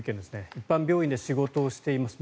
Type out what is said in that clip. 一般病院で仕事をしています。